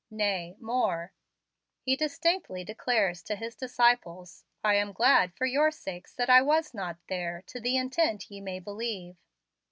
Nay, more, he distinctly declares to his disciples, 'I am glad, for your sakes, that I was not there, to the intent ye may believe.'